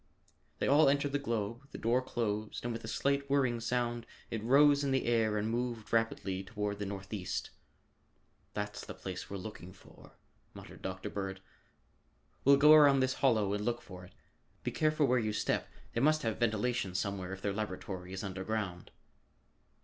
They all entered the globe, the door closed and with a slight whirring sound it rose in the air and moved rapidly toward the northeast. "That's the place we're looking for," muttered Dr. Bird. "We'll go around this hollow and look for it. Be careful where you step; they must have ventilation somewhere if their laboratory is underground."